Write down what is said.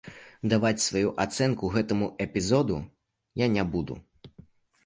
Даваць сваю ацэнку гэтаму эпізоду я не буду.